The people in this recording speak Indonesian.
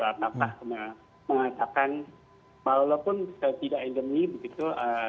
apakah mengatakan walaupun tidak endemi begitu